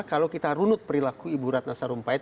kalau kita runut perilaku ibu ratna sarumpait